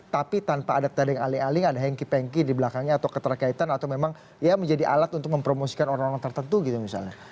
tapi tanpa ada tedeng aling aling ada hengki pengki di belakangnya atau keterkaitan atau memang ya menjadi alat untuk mempromosikan orang orang tertentu gitu misalnya